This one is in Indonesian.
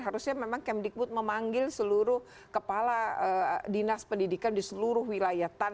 harusnya memang kemdikbud memanggil seluruh kepala dinas pendidikan di seluruh wilayah